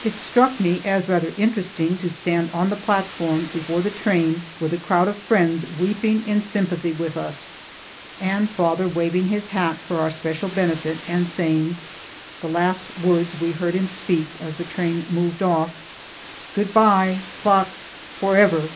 It struck me as rather interesting to stand on the platform before the train, with a crowd of friends weeping in sympathy with us, and father waving his hat for our special benefit, and saying the last words we heard him speak as the train moved off "Good bye, Plotzk, forever!"